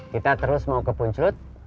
kita terus mau ke puncut